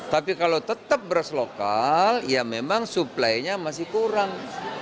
tapi kalau tetap beras lokal ya memang suplainya masih kurang